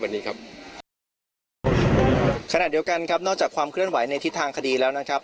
วันนี้ครับขณะเดียวกันครับนอกจากความเคลื่อนไหวในทิศทางคดีแล้วนะครับ